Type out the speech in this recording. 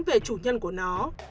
về chủ nhân của nó